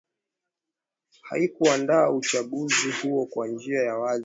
haikuandaa uchaguzi huo kwa njia ya uwazi